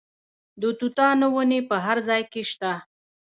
د توتانو ونې په هر ځای کې شته.